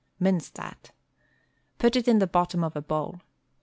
Mince that. Put it in the bottom of a bowl.